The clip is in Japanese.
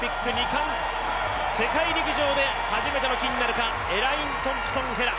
冠世界陸上で初めての金なるかエライン・トンプソン・ヘラ。